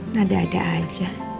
nah ada ada aja